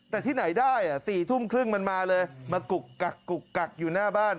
แต่ที่ไหนได้๔ทุ่มครึ่งมันมาเลยมากุกกักกุกกักอยู่หน้าบ้าน